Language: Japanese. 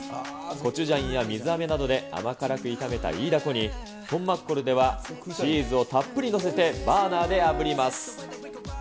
コチジャンや水あめなどで甘辛く炒めたイイダコに、トンマッコルではチーズをたっぷり載せてバーナーであぶります。